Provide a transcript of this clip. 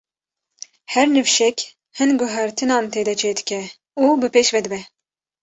Her nifşek, hin guhertinan tê de çêdike û bi pêş ve dibe.